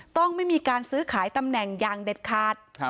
ต้องไม่มีการซื้อขายตำแหน่งอย่างเด็ดขาด